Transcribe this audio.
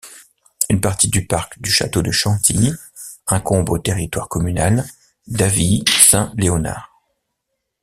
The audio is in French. Une partie du parc du château de Chantilly incombe au territoire communal d'Avilly-Saint-Léonard.